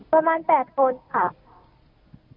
ประมาณ๘คนค่ะ